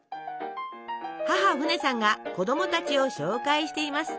母フネさんが子供たちを紹介しています。